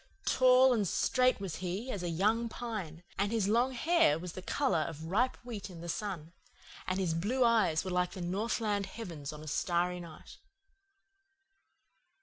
Tall and straight was he as a young pine, and his long hair was the colour of ripe wheat in the sun; and his blue eyes were like the northland heavens on a starry night.